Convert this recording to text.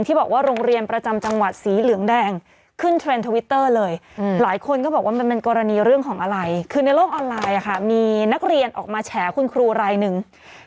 ที่บอกว่าโรงเรียนประจำจังหวัดสีเหลืองแดง